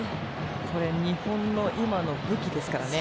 日本の今の武器ですからね。